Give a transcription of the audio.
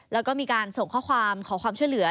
แล้วก็มีการส่งข้อความขอความช่วยเหลือ